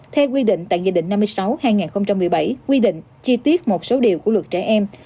theo quy định tại nghị định năm mươi sáu hai nghìn một mươi bảy quy định chi tiết một số điều của luật trẻ em